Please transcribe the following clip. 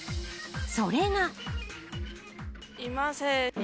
それが。